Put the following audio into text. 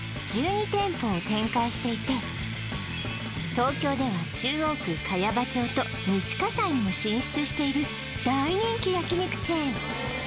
東京では中央区茅場町と西葛西にも進出している大人気焼肉チェーン